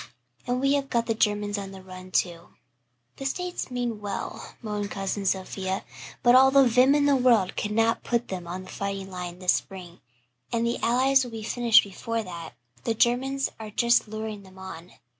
And we have got the Germans on the run, too." "The States mean well," moaned Cousin Sophia, "but all the vim in the world cannot put them on the fighting line this spring, and the Allies will be finished before that. The Germans are just luring them on.